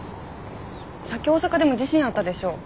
さっき大阪でも地震あったでしょ。